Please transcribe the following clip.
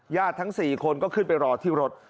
ทั้ง๔คนก็ขึ้นไปรอที่รถ